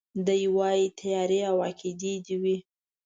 دی وايي تيارې او عقيدې دي وي